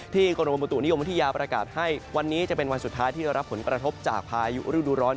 กรมบุตุนิยมวิทยาประกาศให้วันนี้จะเป็นวันสุดท้ายที่ได้รับผลกระทบจากพายุฤดูร้อน